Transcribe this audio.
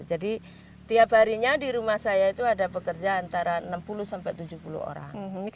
jadi tiap harinya di rumah saya itu ada pekerja antara enam puluh sampai tujuh puluh orang